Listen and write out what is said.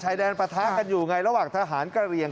แดนปะทะกันอยู่ไงระหว่างทหารกระเหลี่ยง